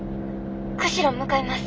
釧路向かいます。